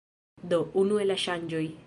Do, unue la ŝanĝoj